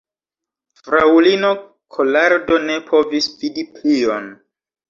Fraŭlino Kolardo ne povis vidi plion.